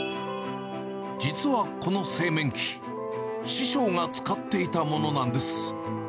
実はこの製麺機、師匠が使っていたものなんです。